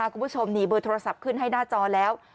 คุณผู้ชมนี่เบอร์โทรศัพท์ขึ้นให้หน้าจอแล้ว